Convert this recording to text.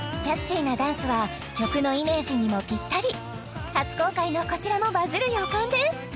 キャッチーなダンスは曲のイメージにもぴったり初公開のこちらもバズる予感です！